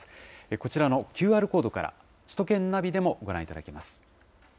こちらのＱＲコードから、首都圏ナビでもご覧いただけます。